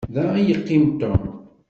Da i yeqqim Tom.